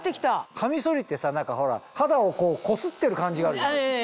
カミソリってさ肌をこすってる感じがあるじゃん。